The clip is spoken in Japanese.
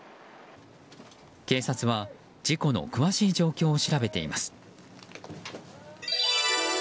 警察は事故の詳しい状況を調べています。